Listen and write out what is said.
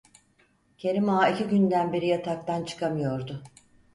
Kerim Ağa iki günden beri yataktan çıkamıyordu.